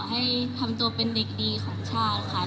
ให้ทำตัวเป็นเด็กดีของชาติค่ะ